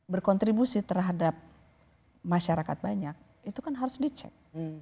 berkontribusi terhadap masyarakat banyak itu kan harus dicek